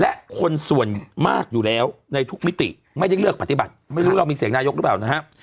และคนส่วนมากอยู่แล้วในทุกมิติไม่ได้เลือกปฏิบัติไม่รู้เรามีเสียงนายกหรือเปล่านะฮะ